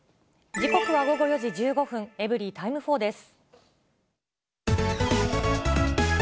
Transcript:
時刻は午後４時１５分、エブリィタイム４です。